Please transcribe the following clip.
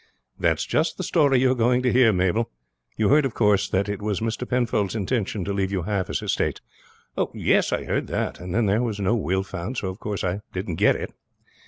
"That's just the story you are going to hear, Mabel. You heard of course, that it was Mr. Penfold's intention to leave you half his estates?" "Yes, I heard that; and then there was no will found so of course I didn't get it."